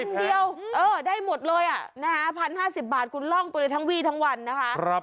เดียวได้หมดเลย๑๐๕๐บาทคุณล่องไปเลยทั้งวี่ทั้งวันนะคะ